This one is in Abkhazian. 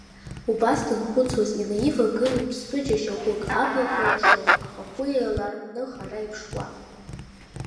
Убас данхәыцуаз инаивагылон ԥстәы џьашьахәык, аблақәа лашо, ахахәы еиларҳәны хара иԥшуа.